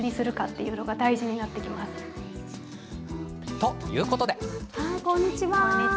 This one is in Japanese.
ということで。